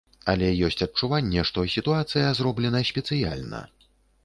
Але ёсць адчуванне, што сітуацыя зроблена спецыяльна.